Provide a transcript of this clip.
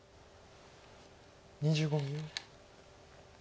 ２５秒。